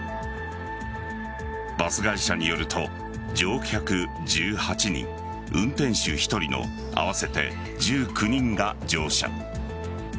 バス会社によると乗客１８人、運転手１人の合わせて１９人が乗車。